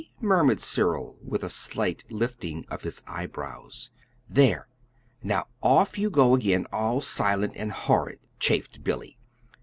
murmured Cyril, with a slight lifting of his eyebrows. "There! Now off you go again all silent and horrid!" chaffed Billy.